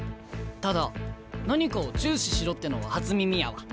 ただ何かを注視しろってのは初耳やわ。